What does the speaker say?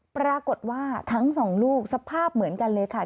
ปรากฏว่าทั้งสองลูกสภาพเหมือนกันเลยค่ะ